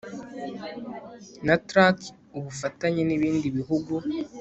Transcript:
na trac ubufatanye n ibindi bihugu